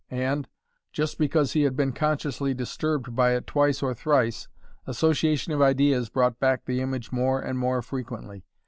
And, just because he had been consciously disturbed by it twice or thrice, association of ideas brought back the image more and more frequently.